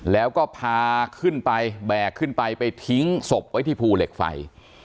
แล้วก็พาขึ้นไปแบกขึ้นไปไปทิ้งศพไว้ที่ภูเหล็กไฟ